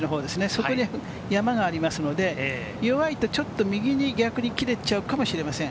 そこに山がありますので、弱いとちょっと右に逆に切れちゃうかもしれません。